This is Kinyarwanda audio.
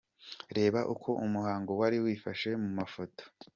Reba uko umuhango wari wifashe mu mafoto